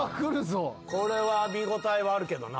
これは見応えはあるけどな。